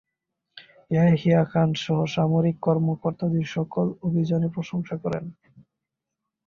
’ ইয়াহিয়া খানসহ সামরিক কর্মকর্তাদের সকলে অভিযানের প্রশংসা করেন।